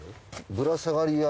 ぶら下がりや。